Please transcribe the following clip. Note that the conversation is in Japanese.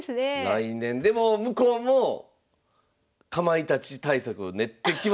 来年でも向こうもかまいたち対策を練ってきますしね。